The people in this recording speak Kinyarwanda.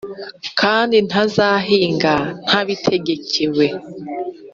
kandi ntazahinga ntabitegekewe.